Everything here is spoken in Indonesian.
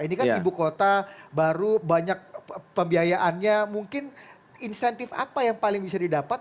ini kan ibu kota baru banyak pembiayaannya mungkin insentif apa yang paling bisa didapat